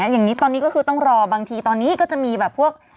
อย่างนี้ตอนนี้ก็คือต้องรอบางทีตอนนี้ก็จะมีแบบพวก